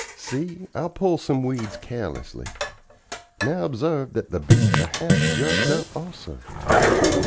See, I'll pull some weeds carelessly. Now obsarve that the beets are half jerked up also.